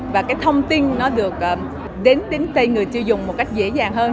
và cái thông tin nó được đến tay người tiêu dùng một cách dễ dàng hơn